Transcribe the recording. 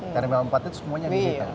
karena di luar negeri itu semuanya digital